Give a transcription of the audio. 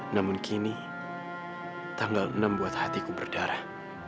namun kini tanggal enam buat hatiku berdarah